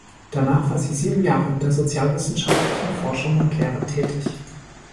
Danach war sie sieben Jahre in der sozialwissenschaftlichen Forschung und Lehre tätig.